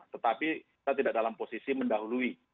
tetapi kita tidak dalam posisi mendahului